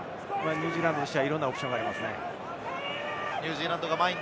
ニュージーランドとしては、いろいろなオプションがあります。